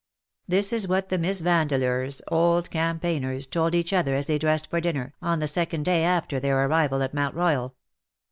This is what the Miss Vandeleurs — old cam paigners — told each other as they dressed for dinner, on the second day after their arrival at Mount Royal.